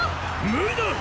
無理だ！